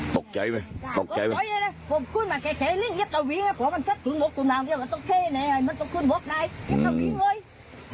ตกใจปะตกใจปะ